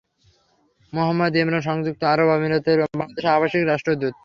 মুহাম্মদ ইমরান সংযুক্ত আরব আমিরাতের বাংলাদেশের আবাসিক রাষ্ট্রদূত।